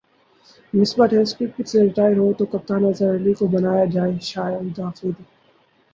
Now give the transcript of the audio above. Misbah test cricket سے retire ہو تو کپتان اظہر علی کو بنایا جائےشاہد افریدی